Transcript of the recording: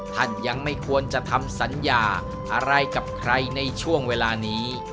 ท่านยังไม่ควรจะทำสัญญาอะไรกับใครในช่วงเวลานี้